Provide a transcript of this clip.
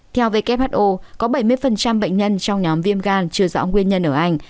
theo who có bảy mươi bệnh nhân trong nhóm viêm gan chưa rõ nguyên nhân ở anh